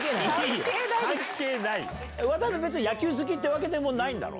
渡辺は別に野球好きっていうわけではないんだろ？